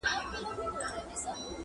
آیینه کي چي انسان دی-